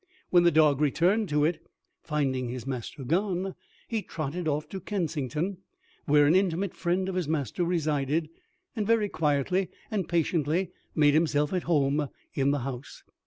When the dog returned to it, finding his master gone, he trotted off to Kensington, where an intimate friend of his master resided, and very quietly and patiently made himself at home in the house.